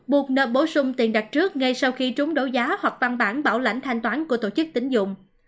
buộc nợ bổ sung tiền đặt trước ngay sau khi trúng đấu giá hoặc văn bản bảo lãnh thanh toán của tổ chức tính dụng